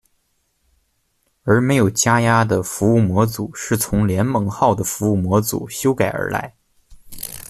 而没有加压的服务模组是从联盟号的服务模组修改而来。